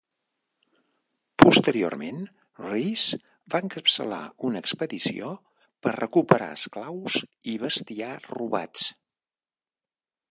Posteriorment, Rees va encapçalar una expedició per recuperar esclaus i bestiar robats.